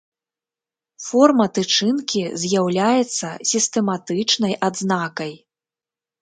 Форма тычынкі з'яўляецца сістэматычнай адзнакай.